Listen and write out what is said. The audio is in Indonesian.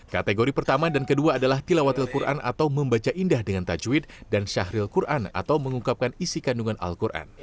kategori pertama dan kedua adalah tilawatil quran atau membaca indah dengan tajwid dan syahril quran atau mengungkapkan isi kandungan al quran